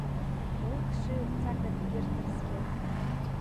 Уи хшыҩрҵаган егьырҭ рзгьы.